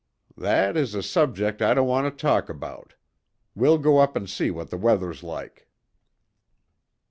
"That is a subject I don't want to talk about. We'll go up and see what the weather's like."